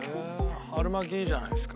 春巻きいいじゃないですか。